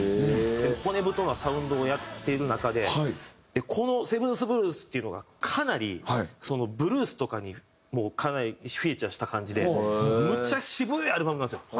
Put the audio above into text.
骨太なサウンドをやってる中でこの『７ｔｈＢｌｕｅｓ』っていうのがかなりブルースとかにかなりフィーチャーした感じでむっちゃ渋いアルバムなんですよ。